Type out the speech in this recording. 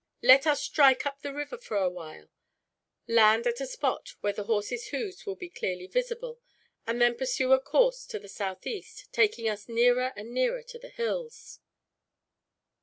Let us then strike up the river for awhile, land at a spot where the horses' hoofs will be clearly visible, and then pursue a course to the southeast, taking us nearer and nearer to the hills.